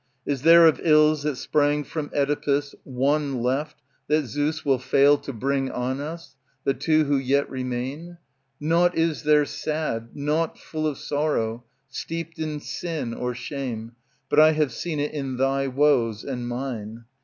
Is there, of ills that sprang from CEdipus, One left that Zeus will fail to bring on us, The two who yet remain ? Nought is there sad, *Nought full of sorrow, steeped in sin or shame. But I have seen it in thy woes and mine.